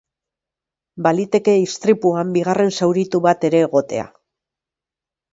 Baliteke istripuan bigarren zauritu bat ere egotea.